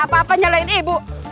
apa apa nyalahin ibu